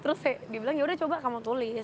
terus dia bilang yaudah coba kamu tulis